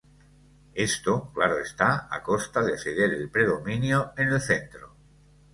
Esto, claro está, a costa de ceder el predominio en el centro.